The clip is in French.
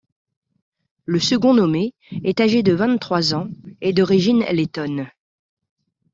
Le second nommé est âgé de vingt-trois ans et d’origine lettone.